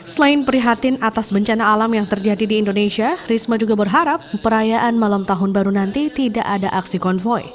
selain prihatin atas bencana alam yang terjadi di indonesia risma juga berharap perayaan malam tahun baru nanti tidak ada aksi konvoy